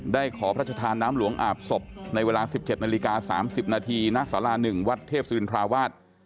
ขอพระชธานน้ำหลวงอาบศพในเวลา๑๗นาฬิกา๓๐นาทีณสารา๑วัดเทพศิรินทราวาส